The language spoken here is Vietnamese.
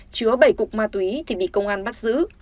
chứa bảy cục ma túy thì bị công an bắt giữ